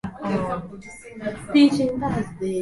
Damu yako imeniepusha na hukumu.